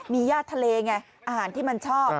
มีย่าทะเลไงอาหารที่มันชอบ